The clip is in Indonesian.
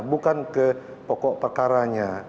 bukan ke pokok pekaranya